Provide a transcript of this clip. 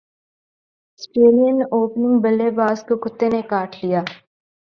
سٹریلین opening بلے باز کو کتے نے کاٹ لیا